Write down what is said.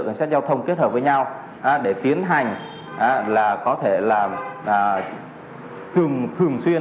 cảnh sát giao thông kết hợp với nhau để tiến hành là có thể là thường xuyên